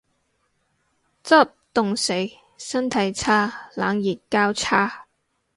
執，凍死。身體差。冷熱交叉